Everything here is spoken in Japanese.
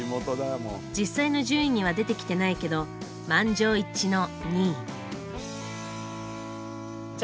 実際の順位には出てきてないけど満場一致の２位。